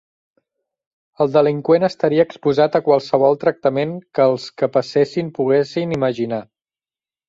El delinqüent estaria exposat a qualsevol tractament que els que passessin poguessin imaginar.